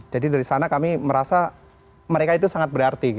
jadi dari sana kami merasa mereka itu sangat berarti